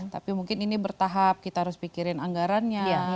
tapi mungkin ini bertahap kita harus pikirin anggarannya